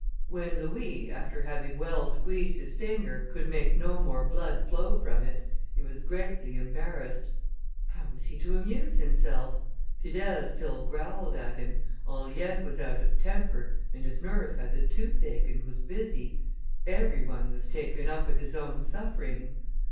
When Louis, after having well squeezed his finger, could make no more blood flow from it, he was greatly embarrassed. How was he to amuse himself? Fidèle still growled at him, Henriette was out of temper, and his nurse had the tooth ache and was busy; every one was taken up with his own sufferings.